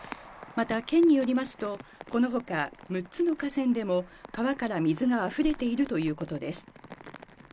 また県によりますと、このほか６つの河川でも川から水が溢れているということです。